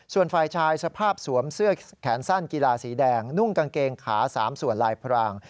ส่วนฝ่ายชายสภาพสวมเสื้อแขนสั้นกีฬาสีแดงนุ่งกางเกงขา๓ส่วนลายพราง